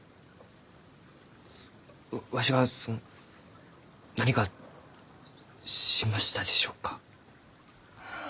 わしがその何かしましたでしょうか？